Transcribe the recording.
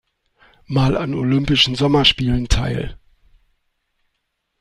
Mal an Olympischen Sommerspielen teil.